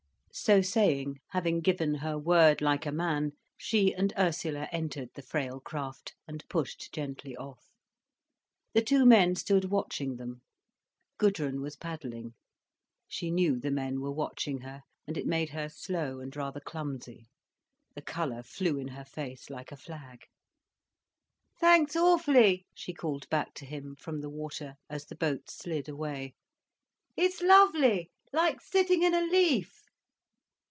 So saying, having given her word like a man, she and Ursula entered the frail craft, and pushed gently off. The two men stood watching them. Gudrun was paddling. She knew the men were watching her, and it made her slow and rather clumsy. The colour flew in her face like a flag. "Thanks awfully," she called back to him, from the water, as the boat slid away. "It's lovely—like sitting in a leaf."